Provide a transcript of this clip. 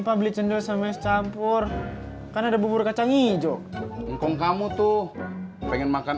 pak beli cendol sama campur kan ada bubur kacang hijau ngkong kamu tuh pengen makan